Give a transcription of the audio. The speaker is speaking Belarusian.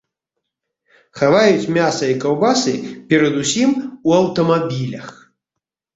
Хаваюць мяса і каўбасы, перадусім, у аўтамабілях.